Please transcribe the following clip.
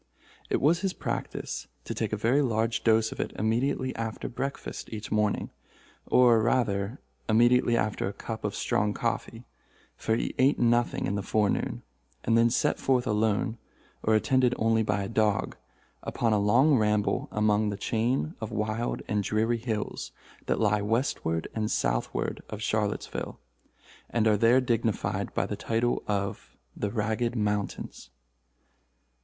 It was his practice to take a very large dose of it immediately after breakfast each morning—or, rather, immediately after a cup of strong coffee, for he ate nothing in the forenoon—and then set forth alone, or attended only by a dog, upon a long ramble among the chain of wild and dreary hills that lie westward and southward of Charlottesville, and are there dignified by the title of the Ragged Mountains.